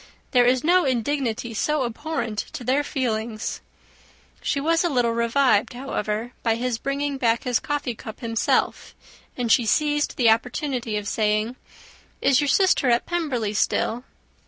There is no indignity so abhorrent to their feelings." She was a little revived, however, by his bringing back his coffee cup himself; and she seized the opportunity of saying, "Is your sister at Pemberley still?"